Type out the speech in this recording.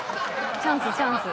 チャンスチャンス！